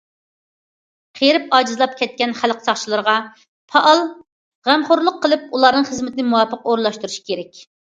قېرىپ ئاجىزلاپ كەتكەن خەلق ساقچىلىرىغا پائال غەمخورلۇق قىلىپ، ئۇلارنىڭ خىزمىتىنى مۇۋاپىق ئورۇنلاشتۇرۇش كېرەك.